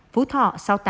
phú thọ sáu mươi tám